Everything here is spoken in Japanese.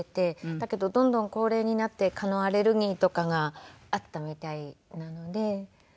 だけどどんどん高齢になって蚊のアレルギーとかがあったみたいなので。